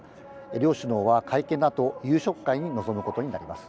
両首脳は会見のあと、夕食会に臨むことになります。